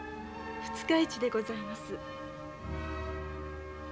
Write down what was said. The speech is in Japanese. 二日市でございます。